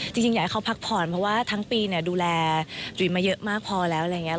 จริงอยากให้เขาพักผ่อนเพราะว่าทั้งปีดูแลจุ๋ยมาเยอะมากพอแล้วอะไรอย่างนี้